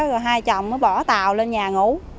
rồi hai chồng mới bỏ tàu lên nhà ngủ